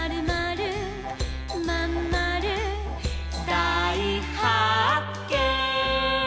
「だいはっけん！」